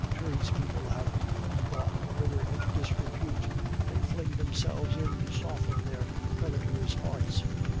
Tradespeople have brought the river into disrepute; they fling themselves in to soften their creditors' hearts.